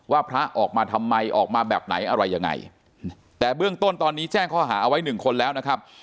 พระออกมาทำไมออกมาแบบไหนอะไรยังไงแต่เบื้องต้นตอนนี้แจ้งข้อหาเอาไว้หนึ่งคนแล้วนะครับ